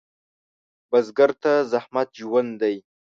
بزګر ته زحمت ژوند دی